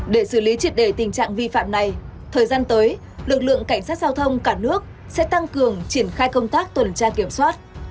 để xử lý triệt đề tình trạng vi phạm này thời gian tới lực lượng cảnh sát giao thông cả nước sẽ tăng cường triển khai công tác tuần tra kiểm soát